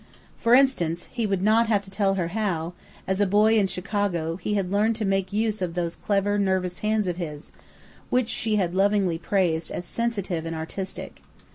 For instance, he would not have to tell her how, as a boy in Chicago, he had learned to make strange use of those clever, nervous hands of his, which she had lovingly praised as "sensitive and artistic."